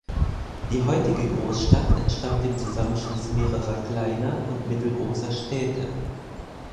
Die heutige Großstadt entstammt dem Zusammenschluss mehrerer, kleiner und mittelgroßer Städte.